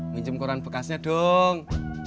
minjem koran bekasnya dong